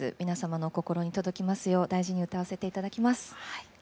皆様の心に届きますよう大事に歌わせて頂きます。